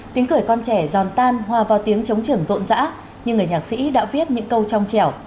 tiếng cười con trẻ giòn tan hòa vào tiếng chống trưởng rộn rã như người nhạc sĩ đã viết những câu trong trẻo